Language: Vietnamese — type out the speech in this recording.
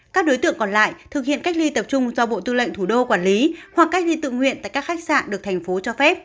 các đối tượng còn lại thực hiện cách ly tập trung do bộ tư lệnh thủ đô quản lý hoặc cách ly tự nguyện tại các khách sạn được thành phố cho phép